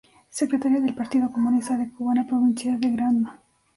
Secretario del Partido Comunista de Cuba en la provincia de Granma.